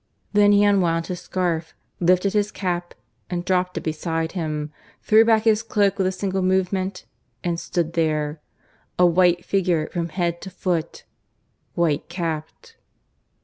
Then he unwound his scarf, lifted his cap and dropped it beside him, threw back his cloak with a single movement, and stood there a white figure from head to foot, white capped.